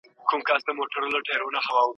څرنګه چې کثافات سمې شي، ناروغۍ به خپرې نه شي.